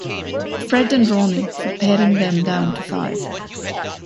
Fred and Ronnie, for paring them down to five.